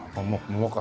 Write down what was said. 桃か。